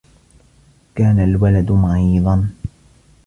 كَانَ الْوَلَدُ مَرِيضًا.